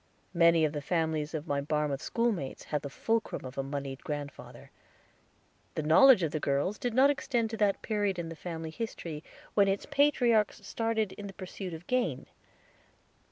Many of the families of my Barmouth schoolmates had the fulcrum of a moneyed grandfather. The knowledge of the girls did not extend to that period in the family history when its patriarchs started in the pursuit of Gain.